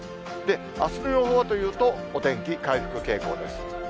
あすの予報はというと、お天気回復傾向です。